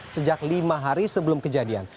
sejak lima hari sebelum kejadian